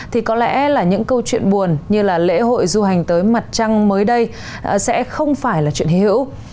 thì có lẽ là những câu chuyện buồn như là lễ hội du hành tới mặt trăng mới đây sẽ không phải là chuyện hữu